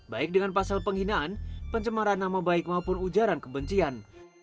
baik dengan pasal penghinaan pencemaran nama baik maupun ujaran kebencian